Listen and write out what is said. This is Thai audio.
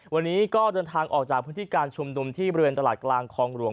วันนี้ก็เดินทางออกจากพื้นที่การชุมนุมที่บริเวณตลาดกลางคลองหลวง